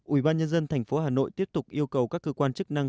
ủy ban nhân dân thành phố hà nội tiếp tục yêu cầu các cơ quan chức năng